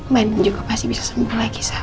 men juga pasti bisa sembuh lagi sab